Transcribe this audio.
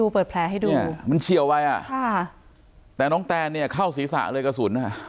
เปิดแผลให้ดูมันเฉียวไว้แต่น้องแตนเข้าศีรษะเลยกระสุน